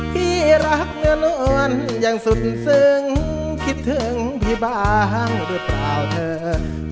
ที่รักเนื้อนวลอย่างสุดซึ้งคิดถึงพี่บ้างหรือเปล่าเถิน